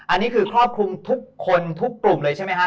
อันนี้คือครอบคลุมทุกคนทุกกลุ่มเลยใช่ไหมครับ